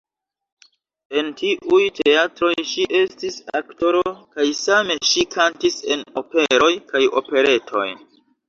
En tiuj teatroj ŝi estis aktoro kaj same ŝi kantis en operoj kaj operetoj.